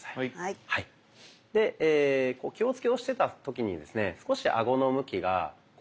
で気をつけをしてた時にですね少しアゴの向きが。